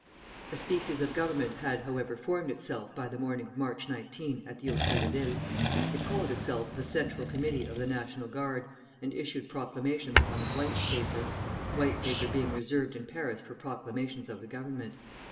A species of Government had, however, formed itself by the morning of March 19 at the Hôtel de Ville. It called itself the Central Committee of the National Guard, and issued proclamations on white paper (white paper being reserved in Paris for proclamations of the Government).